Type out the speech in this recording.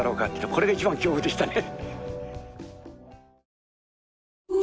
これが一番恐怖でしたね。